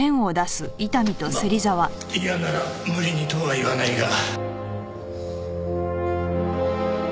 まあ嫌なら無理にとは言わないが。